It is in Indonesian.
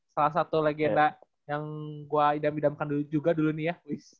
salah satu legenda yang gue idam idamkan juga dulu nih ya